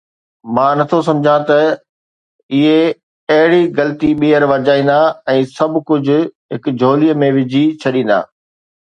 مان نه ٿو سمجهان ته اهي اهڙي غلطي ٻيهر ورجائيندا ۽ سڀ ڪجهه هڪ جھولي ۾ وجهي ڇڏيندا.